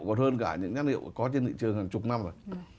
còn hơn cả những nhãn hiệu có trên thị trường hàng chục năm rồi